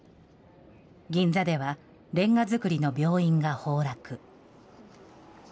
銀座ではレンガ造りの病院が崩落。